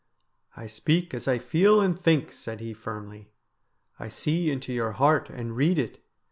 ' I speak as I feel and think,' said he firmly. ' I see into your heart and read it.